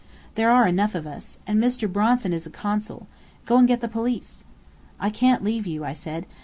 There are enough of us. And Mr. Bronson is a Consul. Go and get the police." "I can't leave you," I said.